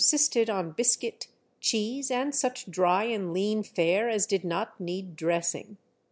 45 sisted on biscuit, cheese and sucli dry and lean fare as did not need dressing.